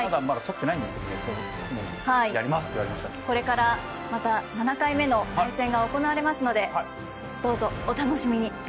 これからまた７回目の対戦が行われますのでどうぞお楽しみに。